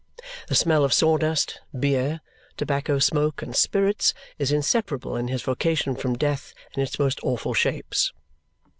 The smell of sawdust, beer, tobacco smoke, and spirits is inseparable in his vocation from death in its most awful shapes.